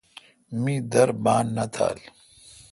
می در بان نہ تھال۔